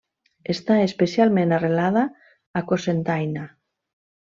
Està especialment arrelada a Cocentaina.